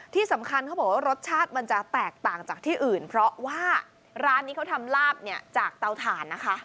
ที่สำคัญเขาบอกว่ารสชาติมันจะแตกต่างจากที่อื่นเพราะว่าร้านนี้เขาทำลาบเนี่ยจากเตาถ่านนะคะ